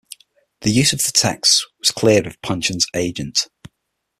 The use of the texts was cleared with Pynchon's agent.